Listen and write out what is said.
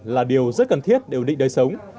là điều rất cần thiết để ủng hộ đời sống